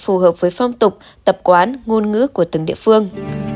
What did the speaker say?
phù hợp với phong tục tập quán ngôn ngữ của từng địa phương